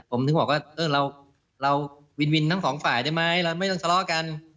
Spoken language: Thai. ผมถึงบอกว่าเราวินทั้ง๒ฝ่ายได้ไหมเราไม่ต้องสล้อกัน